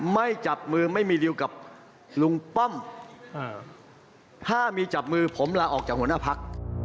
ไม่จับมือไม่มีริวกับลุงป้อมถ้ามีจับมือผมลาออกจากหัวหน้าพัก